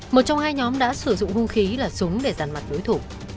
một trong hai nhóm đã sử dụng hung khí là súng để giàn mặt đối thủ